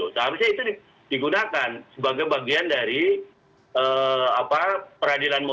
seharusnya itu digunakan sebagai bagian dari peradilan modern yang terbuka untuk umum